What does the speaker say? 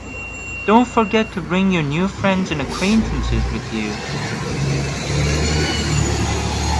Don't forget to bring your new friends and acquaintances with you.